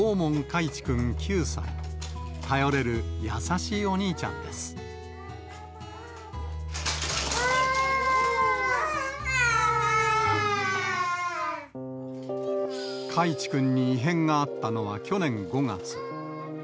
海智君に異変があったのは去年５月。